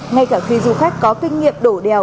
ngay cả khi du khách có kinh nghiệm đổ đèo